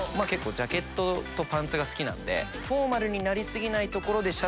ジャケットとパンツが好きなんで。